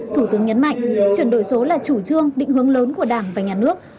thủ tướng nhấn mạnh chuyển đổi số là chủ trương định hướng lớn của đảng và nhà nước